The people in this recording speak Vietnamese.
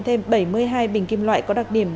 thêm bảy mươi hai bình kim loại có đặc điểm